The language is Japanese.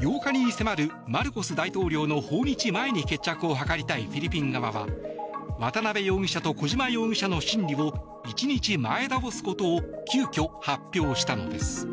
８日に迫るマルコス大統領の訪日前に決着を図りたいフィリピン側は渡邉容疑者と小島容疑者の審理を１日前倒すことを急きょ発表したのです。